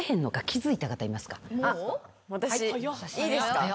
私いいですか？